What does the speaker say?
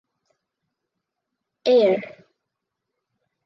Ayer.